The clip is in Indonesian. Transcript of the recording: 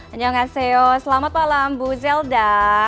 annyeonghaseyo selamat malam bu zelda